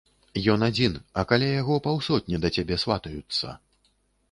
Ён адзін, а каля яго паўсотні да цябе сватаюцца.